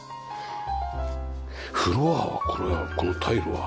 フロアはこれはこのタイルは？